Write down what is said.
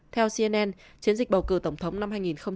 theo cnn chiến dịch bầu cử tổng thống năm hai nghìn hai mươi